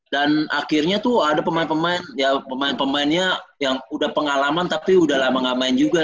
dan akhirnya tuh ada pemain pemain ya pemain pemainnya yang udah pengalaman tapi udah lama gak main juga